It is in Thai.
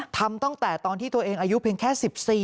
ทำตั้งแต่ตอนที่ตัวเองอายุเพียงแค่๑๔